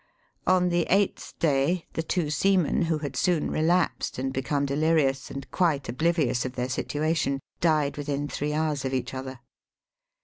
On the eighth day, the two seamen, who had soon relapsed and become delirious and quite oblivious of their situation, died, within three hours of each other.